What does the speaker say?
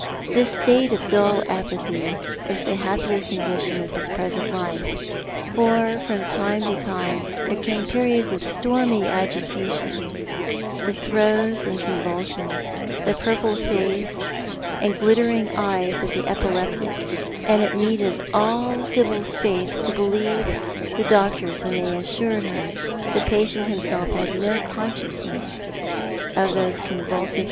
this state of dull apathy was the happier condition of his present life — for from time to time there came periods of stormy agitation, the throes and convulsions, tho purple face and glittering eyes of the epileptic ; and it needed all Sibyl's faith to behevo the doctors when they assured her that the patient himself had no consciousness of these convulsive *'A Passionless Peace.